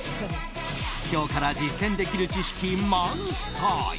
今日から実践できる知識満載！